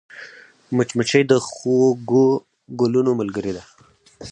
مچمچۍ د خوږو ګلونو ملګرې ده